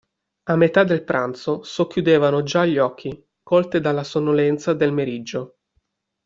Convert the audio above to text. A metà del pranzo socchiudevano già gli occhi, colte dalla sonnolenza del meriggio.